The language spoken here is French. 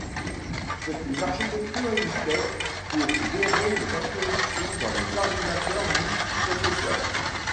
C'est une architecture Intel pour gérer les interruptions dans les ordinateurs multiprocesseurs.